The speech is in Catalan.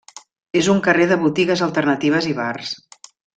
És un carrer de botigues alternatives i bars.